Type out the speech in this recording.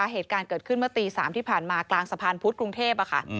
เหตุการณ์เกิดขึ้นเมื่อตี๓ที่ผ่านมากลางสะพานพุธกรุงเทพค่ะ